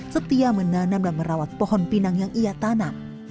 setia menanam dan merawat pohon pinang yang ia tanam